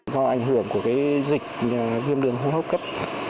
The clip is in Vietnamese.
do ảnh hưởng của dịch viêm đường không hốc cấp